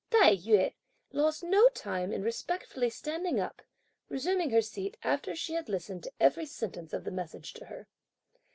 Tai yü lost no time in respectfully standing up, resuming her seat after she had listened to every sentence of the message to her.